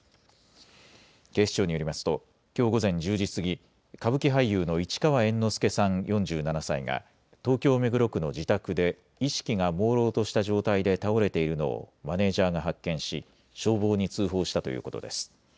警視庁によりますときょう午前１０時過ぎ歌舞伎俳優の市川猿之助さん４７歳が東京目黒区の自宅で意識がもうろうとした状態で倒れているのをマネージャーが発見し消防に通報したということです。